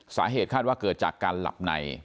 สาเหตุคาดว่าเกิดจากการหลับใน